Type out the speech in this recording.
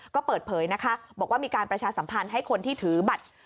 ก็เปิดเผยนะคะบอกว่ามีการประชาสัมพันธ์ให้คนที่ถือบัตร